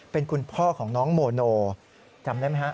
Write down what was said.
เป็นคุณพ่อของน้องโมโนจำได้ไหมฮะ